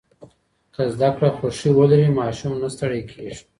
که زده کړه خوښي ولري، ماشوم نه ستړی کېږي.